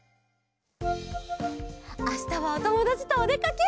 あしたはおともだちとおでかけ！